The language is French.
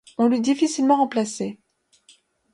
On l'eût difficilement remplacé.